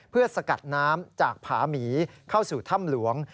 เพื่อสกัดน้ำจากผาหมีเข้าสู่ถ้ำหลวง